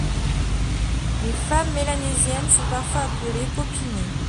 Les femmes mélanésiennes sont parfois appelées popinées.